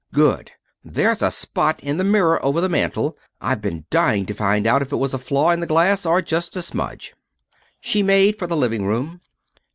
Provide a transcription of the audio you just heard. "Good! There's a spot in the mirror over the mantel. I've been dying to find out if it was a flaw in the glass or only a smudge." She made for the living room.